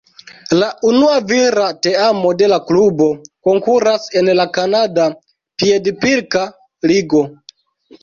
La unua vira teamo de la klubo konkuras en la Kanada piedpilka ligo.